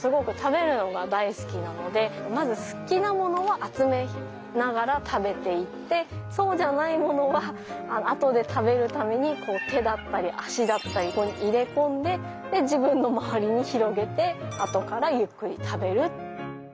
まず好きなものは集めながら食べていってそうじゃないものは後で食べるために手だったり足だったり入れ込んで自分の周りに広げて後からゆっくり食べる。